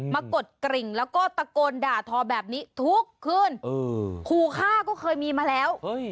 กดกริ่งแล้วก็ตะโกนด่าทอแบบนี้ทุกคืนขู่ฆ่าก็เคยมีมาแล้ว